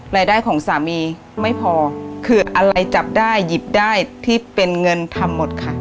รายได้ของสามีไม่พอคืออะไรจับได้หยิบได้ที่เป็นเงินทำหมดค่ะ